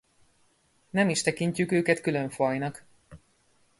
Nem is tekintjük őket külön fajnak.